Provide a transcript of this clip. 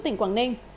tỉnh quảng ninh